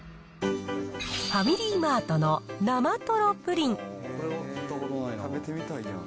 ファミリーマートの生とろプリン。